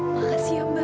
terima kasih ya mbak